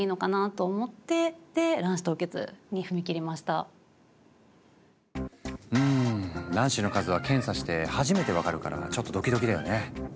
あとん卵子の数は検査して初めて分かるからちょっとドキドキだよね。